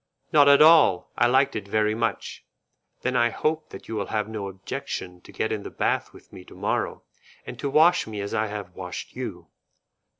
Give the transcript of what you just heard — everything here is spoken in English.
"Not at all; I liked it very much." "Then I hope that you will have no objection to get in the bath with me to morrow, and to wash me as I have washed you."